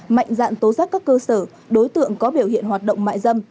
mạnh dạn tố giác các cơ sở đối tượng có biểu hiện hoạt động mại dâm